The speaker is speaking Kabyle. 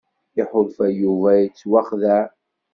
Iḥulfa Yuba yettwaxdeɛ.